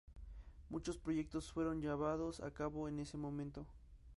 Muchos proyectos fueron llevados a cabo en ese momento.